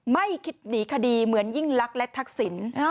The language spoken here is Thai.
ไม่คิดหนีคดีเหมือนยิ่งลักษณ์และทักษิณ